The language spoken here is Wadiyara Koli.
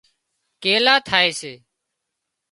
ڪيلا ٿائي سي